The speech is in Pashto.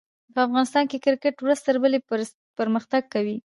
په افغانستان کښي کرکټ ورځ تر بلي پرمختګ کوي.